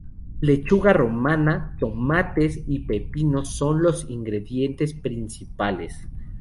Lechuga romana, tomates y pepinos son los ingredientes principales.